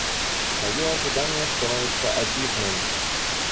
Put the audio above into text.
Мое ожидание становится обидным.